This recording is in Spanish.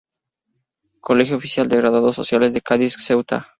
Colegio Oficial de Graduados Sociales de Cádiz-Ceuta.